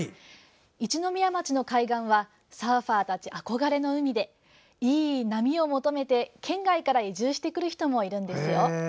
一宮町の海岸はサーファーたち憧れの海でいい波を求めて、県外から移住してくる人もいるんですよ。